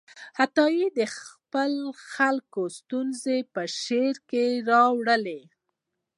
عطايي د خپلو خلکو ستونزې په شعرونو کې راواړولې.